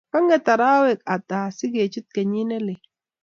Kang'et arawek ata asigechut kenyit nelel?